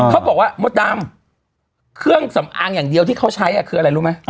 เขาบอกว่ามดดำเครื่องสำอางอย่างเดียวที่เขาใช้คืออะไรรู้ไหม